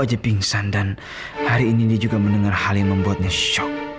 dia pingsan dan hari ini dia juga mendengar hal yang membuatnya shock